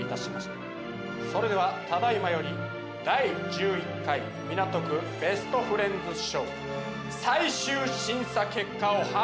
それではただ今より第１１回港区ベストフレンズＳＨＯＷ最終審査結果を発表します！